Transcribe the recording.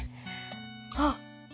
あっ！